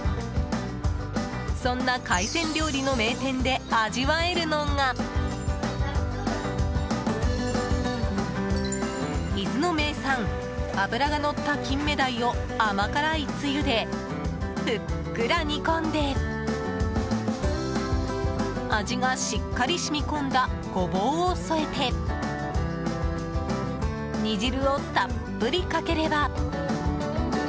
そんな海鮮料理の名店で味わえるのが伊豆の名産、脂がのった金目鯛を甘辛いツユでふっくら煮込んで味がしっかりしみ込んだゴボウを添えて煮汁をたっぷりかければ。